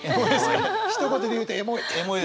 ひと言で言うとエモい！